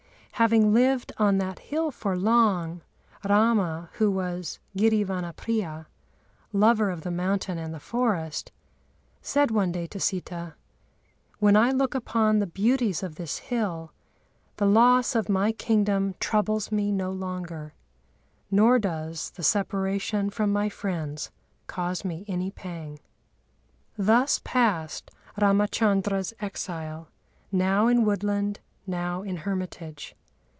Having lived on that hill for long, Râma, who was "giri vana priya" (lover of the mountain and the forest), said one day to Sitâ: "When I look upon the beauties of this hill, the loss of my kingdom troubles me no longer, nor does the separation from my friends cause me any pang." Thus passed Râmachandra's exile, now in woodland, now in hermitage.